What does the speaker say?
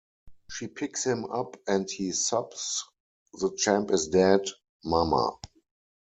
She picks him up and he sobs, The Champ is dead, mama.